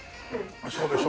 そうでしょ？